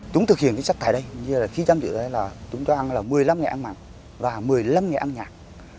chúng thực hiện kinh sách tại đây chúng cho ăn một mươi năm ngày ăn mặn và một mươi năm ngày ăn nhạt